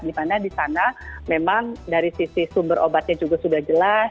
dimana di sana memang dari sisi sumber obatnya juga sudah jelas